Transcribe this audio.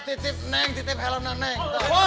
titip bengkel titip neng